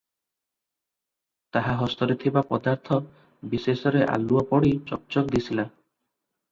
ତାହା ହସ୍ତରେ ଥିବା ପଦାର୍ଥ ବିଶେଷରେ ଆଲୁଅ ପଡ଼ି ଚକ୍ ଚକ୍ ଦିଶିଲା ।